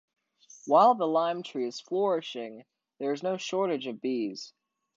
While the lime tree is flourishing, there is no shortage of bees.